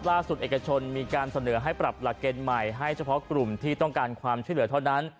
เอกชนมีการเสนอให้ปรับหลักเกณฑ์ใหม่ให้เฉพาะกลุ่มที่ต้องการความช่วยเหลือเท่านั้น